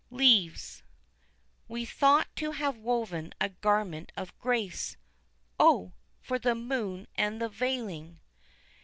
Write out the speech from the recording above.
Leaves. We thought to have woven a garment of grace, (Oh! for the moon and the veiling.)